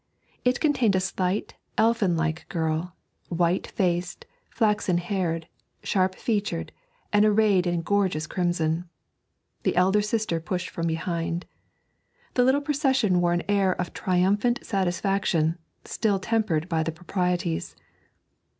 It contained a slight, elfin like girl, white faced, flaxen haired, sharp featured, and arrayed in gorgeous crimson. The elder sister pushed from behind. The little procession wore an air of triumphant satisfaction, still tempered by the proprieties.